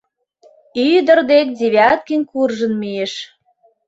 — ӱдыр дек Девяткин куржын мийыш.